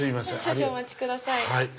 少々お待ちください。